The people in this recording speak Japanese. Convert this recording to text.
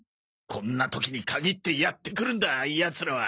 こんな時に限ってやって来るんだヤツらは。